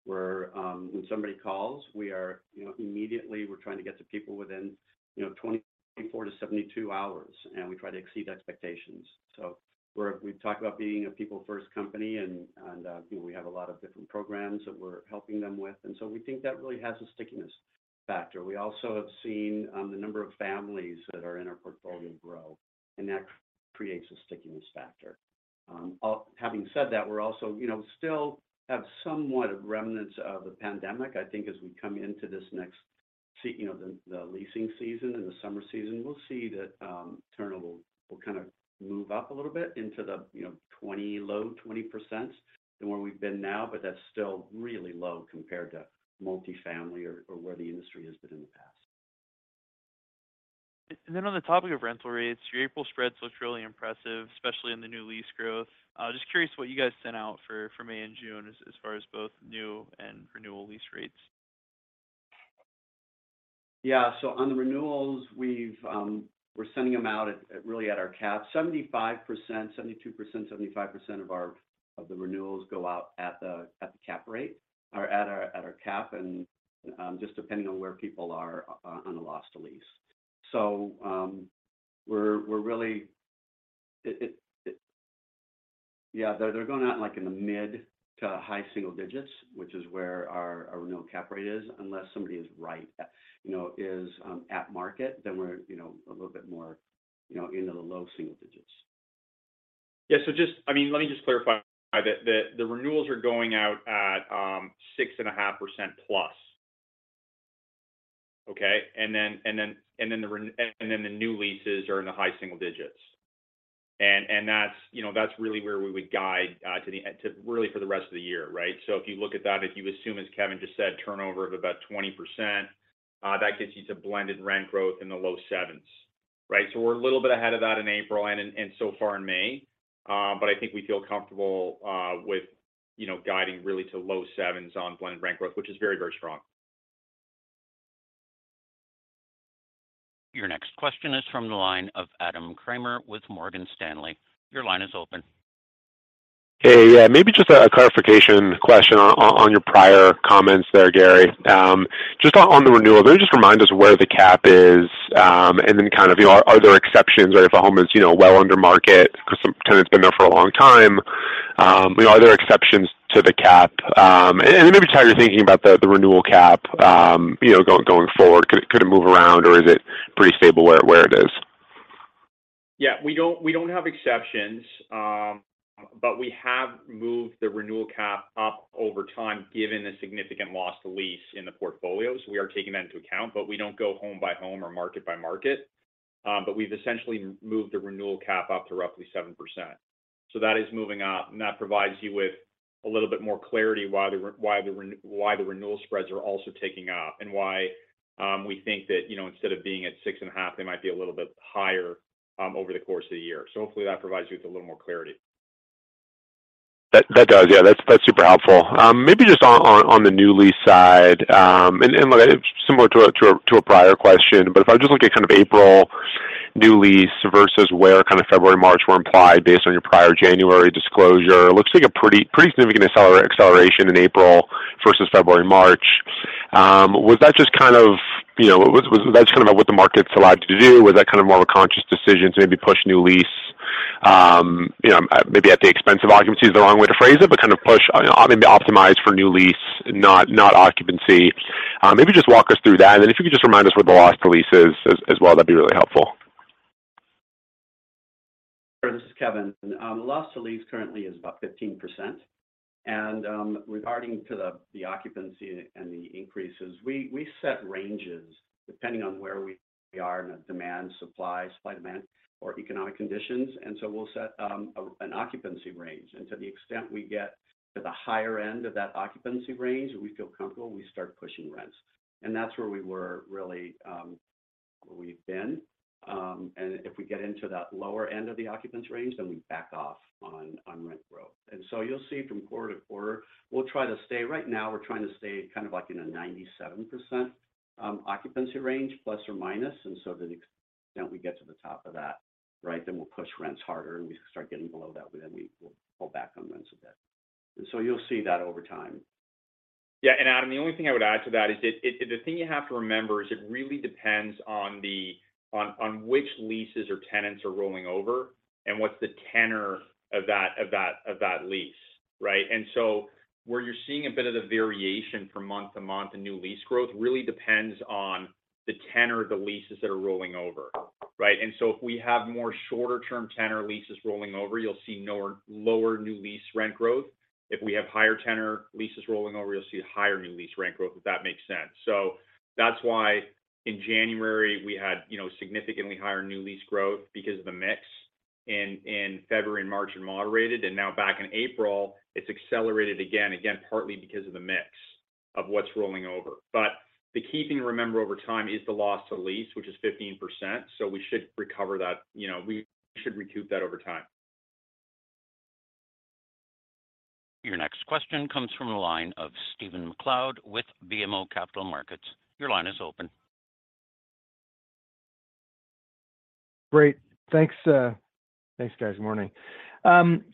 where, when somebody calls, we are, you know, immediately we're trying to get to people within, you know, 24 to 72 hours, and we try to exceed expectations. We talk about being a people first company and, you know, we have a lot of different programs that we're helping them with. We think that really has a stickiness factor. We also have seen the number of families that are in our portfolio grow, and that creates a stickiness factor. Having said that, we're also, you know, still have somewhat of remnants of the pandemic. I think as we come into this next you know, the leasing season and the summer season, we'll see that turnover will kind of move up a little bit into the, you know, 20, low 20% than where we've been now. That's still really low compared to multifamily or where the industry has been in the past. On the topic of rental rates, your April spreads looked really impressive, especially in the new lease growth. Just curious what you guys sent out for May and June as far as both new and renewal lease rates? Yeah. On the renewals, we're sending them out at really at our cap, 75%. 72%, 75% of our, of the renewals go out at the cap rate or at our cap and just depending on where people are on the loss to lease. We're really. Yeah. They're going out like in the mid to high single digits, which is where our renewal cap rate is, unless somebody is right at, you know, is at market, then we're, you know, a little bit more, you know, into the low single digits. Yeah. I mean, let me just clarify that the renewals are going out at 6.5% +. Okay? The new leases are in the high single digits. That's, you know, that's really where we would guide to really for the rest of the year, right? If you look at that, if you assume, as Kevin just said, turnover of about 20%, that gets you to blended rent growth in the low 7s, right? We're a little bit ahead of that in April and so far in May. I think we feel comfortable with, you know, guiding really to low 7s on blended rent growth, which is very, very strong. Your next question is from the line of Adam Kramer with Morgan Stanley. Your line is open. Hey. Yeah, maybe just a clarification question on your prior comments there, Gary. Just on the renewal, maybe just remind us where the cap is, and then kind of, you know, are there exceptions or if a home is, you know, well under market 'cause some tenant's been there for a long time, you know, are there exceptions to the cap? Maybe how you're thinking about the renewal cap, you know, going forward. Could it move around or is it pretty stable where it is? Yeah. We don't have exceptions. We have moved the renewal cap up over time given the significant loss to lease in the portfolio. We are taking that into account, but we don't go home by home or market by market. We've essentially moved the renewal cap up to roughly 7%. That is moving up, and that provides you with a little bit more clarity why the renewal spreads are also ticking up and why, we think that, you know, instead of being at 6.5, they might be a little bit higher over the course of the year. Hopefully that provides you with a little more clarity. That does. Yeah. That's super helpful. Maybe just on the new lease side, and look, similar to a prior question, but if I just look at kind of April new lease versus where kind of February, March were implied based on your prior January disclosure, it looks like a pretty significant acceleration in April versus February, March. Was that just kind of, you know, That just kind of what the markets allowed you to do? Was that kind of more of a conscious decision to maybe push new lease, you know, maybe at the expense of occupancy is the wrong way to phrase it, but kind of push, you know, maybe optimize for new lease, not occupancy? Maybe just walk us through that. Then if you could just remind us what the loss to lease is as well, that'd be really helpful. Sure. This is Kevin. The loss to lease currently is about 15%. Regarding to the occupancy and the increases, we set ranges depending on where we are in the demand, supply, demand or economic conditions. We'll set an occupancy range. To the extent we get to the higher end of that occupancy range and we feel comfortable, we start pushing rents. That's where we were really where we've been. If we get into that lower end of the occupancy range, then we back off on rent growth. You'll see from quarter-to-quarter, we'll try to stay. Right now we're trying to stay kind of like in a 97% occupancy range, ±. To the extent we get to the top of that, right, then we'll push rents harder, and we start getting below that, then we will pull back on rents a bit. You'll see that over time. Yeah. Adam, the only thing I would add to that is that the thing you have to remember is it really depends on which leases or tenants are rolling over and what's the tenor of that lease, right? Where you're seeing a bit of the variation from month to month in new lease growth really depends on the tenor of the leases that are rolling over, right? If we have more shorter term tenor leases rolling over, you'll see lower new lease rent growth. If we have higher tenor leases rolling over, you'll see higher new lease rent growth, if that makes sense. That's why in January we had, you know, significantly higher new lease growth because of the mix. In February and March, it moderated. Now back in April, it's accelerated again. Again, partly because of the mix of what's rolling over. The key thing to remember over time is the loss to lease, which is 15%. We should recover that. You know, we should recoup that over time. Your next question comes from the line of Stephen MacLeod with BMO Capital Markets. Your line is open. Great. Thanks, thanks, guys. Morning.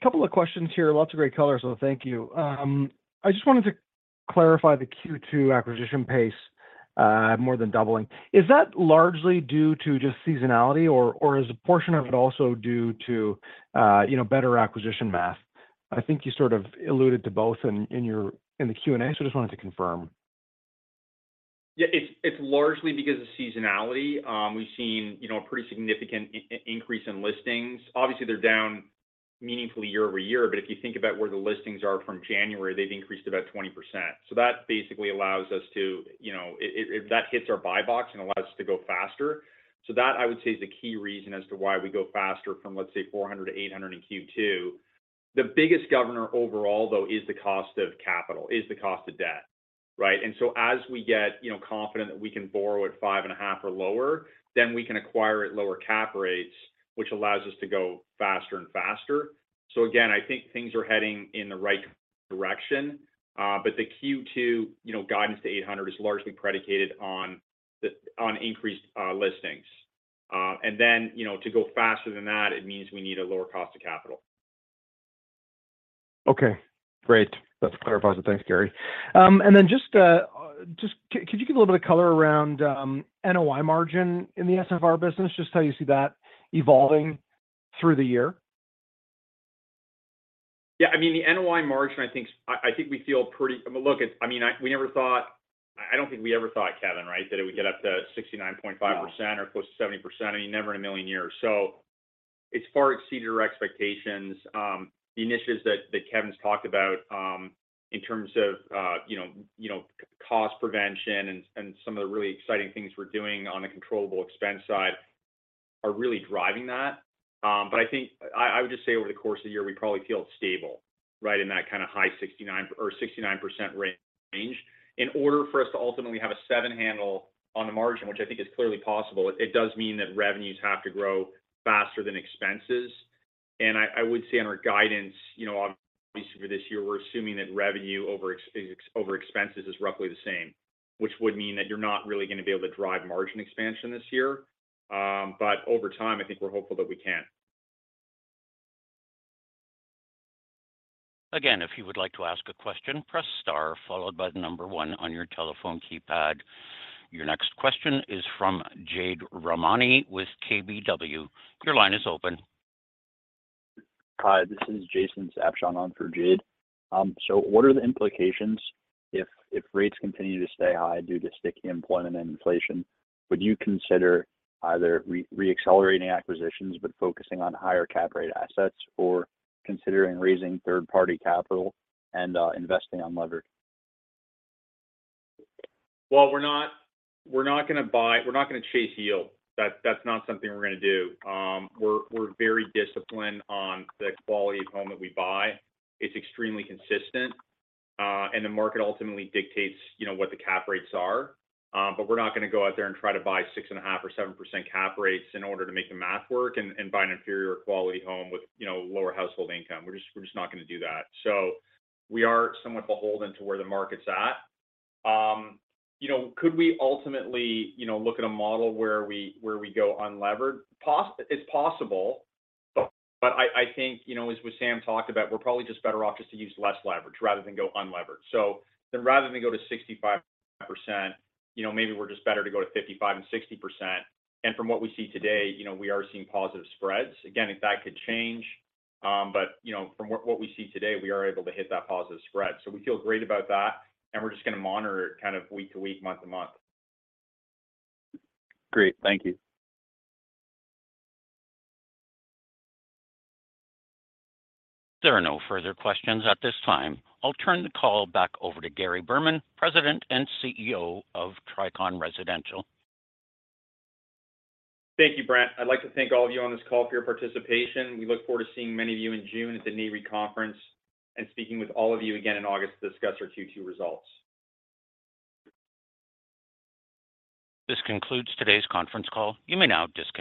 Couple of questions here. Lots of great color, thank you. I just wanted to clarify the Q2 acquisition pace, more than doubling. Is that largely due to just seasonality or is a portion of it also due to, you know, better acquisition math? I think you sort of alluded to both in the Q&A, just wanted to confirm. Yeah. It's largely because of seasonality. We've seen, you know, a pretty significant increase in listings. Obviously, they're down meaningfully year-over-year, but if you think about where the listings are from January, they've increased about 20%. That basically allows us to, you know, if that hits our buy box, it allows us to go faster. That I would say is the key reason as to why we go faster from, let's say, 400 to 800 in Q2. The biggest governor overall though is the cost of capital, is the cost of debt, right? As we get, you know, confident that we can borrow at 5.5 or lower, then we can acquire at lower cap rates, which allows us to go faster and faster. Again, I think things are heading in the right direction. The Q2, you know, guidance to $800 is largely predicated on increased listings. You know, to go faster than that, it means we need a lower cost of capital. Okay, great. That clarifies it. Thanks, Gary. Just could you give a little bit of color around NOI margin in the SFR business, just how you see that evolving through the year? Yeah. I mean, the NOI margin, I think we feel pretty... I mean, look, we never thought... I don't think we ever thought, Kevin, right, that it would get up to 69.5%. No. Close to 70%. I mean, never in a million years. It's far exceeded our expectations. The initiatives that Kevin's talked about, in terms of, you know, you know, cost prevention and some of the really exciting things we're doing on the controllable expense side are really driving that. I think I would just say over the course of the year, we probably feel stable, right? In that kind of high 69% or 69% range. In order for us to ultimately have a seven handle on the margin, which I think is clearly possible, it does mean that revenues have to grow faster than expenses. I would say on our guidance, you know, obviously for this year, we're assuming that revenue over expenses is roughly the same, which would mean that you're not really gonna be able to drive margin expansion this year. Over time, I think we're hopeful that we can. Again, if you would like to ask a question, press star followed by one on your telephone keypad. Your next question is from Jade Rahmani with KBW. Your line is open. Hi, this is Jason Sabshon on for Jade. What are the implications if rates continue to stay high due to sticky employment and inflation? Would you consider either reaccelerating acquisitions but focusing on higher cap rate assets, or considering raising third-party capital and investing unlevered? We're not gonna buy. We're not gonna chase yield. That's not something we're gonna do. We're very disciplined on the quality of home that we buy. It's extremely consistent. The market ultimately dictates, you know, what the cap rates are. We're not gonna go out there and try to buy 6.5% or 7% cap rates in order to make the math work and buy an inferior quality home with, you know, lower household income. We're just not gonna do that. We are somewhat beholden to where the market's at. You know, could we ultimately, you know, look at a model where we go unlevered? It's possible, but I think, you know, as what Wissam talked about, we're probably just better off just to use less leverage rather than go unlevered. Rather than go to 65%, you know, maybe we're just better to go to 55% and 60%. From what we see today, you know, we are seeing positive spreads. Again, that could change, but, you know, from what we see today, we are able to hit that positive spread. We feel great about that, and we're just gonna monitor it kind of week to week, month to month. Great. Thank you. There are no further questions at this time. I'll turn the call back over to Gary Berman, President and CEO of Tricon Residential. Thank you, Brent. I'd like to thank all of you on this call for your participation. We look forward to seeing many of you in June at the NAREIT conference and speaking with all of you again in August to discuss our Q2 results. This concludes today's conference call. You may now disconnect.